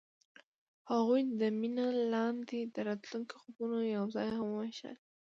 هغوی د مینه لاندې د راتلونکي خوبونه یوځای هم وویشل.